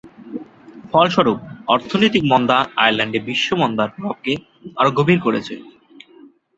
ফলস্বরূপ অর্থনৈতিক মন্দা আয়ারল্যান্ডে বিশ্ব মন্দার প্রভাবকে আরও গভীর করেছে।